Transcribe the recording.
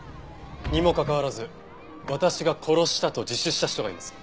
にもかかわらず「私が殺した」と自首した人がいます。